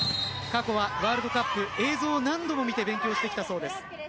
過去はワールドカップ映像を何度も見て勉強してきたそうです。